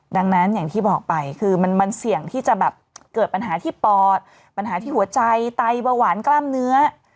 ดังนั้นอย่างที่บอกไปคือมันเสี่ยงที่จะแบบเกิดปัญหาที่ปอดปัญหาที่หัวใจไตเบาหวานกล้ามเนื้อ